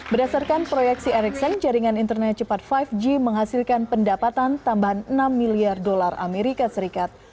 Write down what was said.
berdasarkan proyeksi ericssen jaringan internet cepat lima g menghasilkan pendapatan tambahan enam miliar dolar amerika serikat